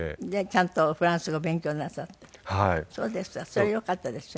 それよかったですよね。